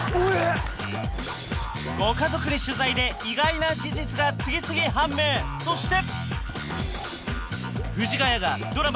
ご家族に取材で意外な事実が次々判明そして！